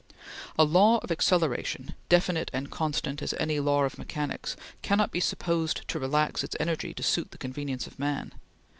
A law of acceleration, definite and constant as any law of mechanics, cannot be supposed to relax its energy to suit the convenience of man.